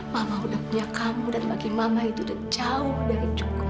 mama udah punya kamu dan bagi mama itu udah jauh dari cukup